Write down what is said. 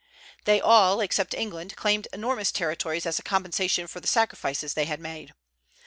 They all, except England, claimed enormous territories as a compensation for the sacrifices they had made.